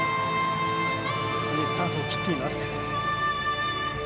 いいスタートを切っています。